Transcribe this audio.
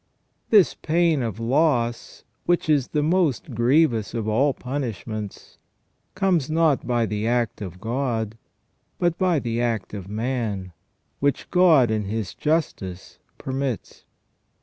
This pain of loss, which is the most grievous of all punishments, comes not by the act of God, but by the act of man, which God in His justice permits.